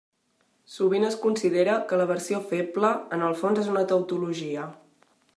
Sovint es considera que la versió feble en el fons és una tautologia.